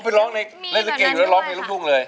ไปร้องในเล่นลิเกอยู่แล้วร้องเพลงลูกทุ่งเลย